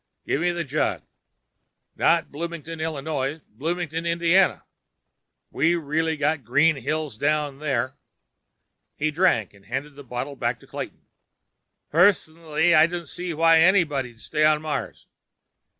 "Gimme the jug. Not Bloomington, Illinois—Bloomington, Indiana. We really got green hills down there." He drank, and handed the bottle back to Clayton. "Pers nally, I don't see why anybody'd stay on Mars.